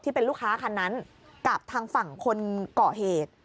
เป็นลูกค้าคันนั้นกับทางฝั่งคนเกาะเหตุ